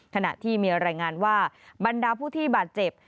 ขณะที่มีรายงานว่าบรรดาผู้ที่บาดเจ็บ